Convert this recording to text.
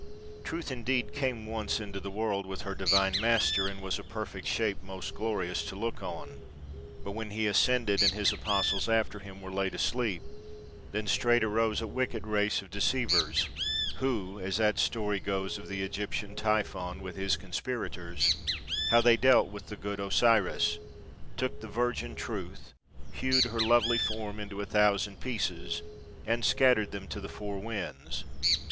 Truth indeed came once into the world with her Divine Master, and was a perfect shape most glorious to look on : but when He ascended, and His Apostles after Him were laid asleep, then straight arose a wicked race of deceivers, who, as that story goes of the Egyptian Typhon with his conspirators, how they dealt with the good Osiris, took the virgin Truth, hewed her lovely form into a thousand pieces, and scattered them to the four winds.